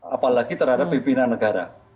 apalagi terhadap pimpinan negara